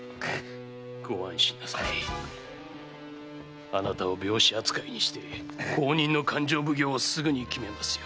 ご安心なさいあなたを病死扱いにして後任の勘定奉行をすぐに決めますよ。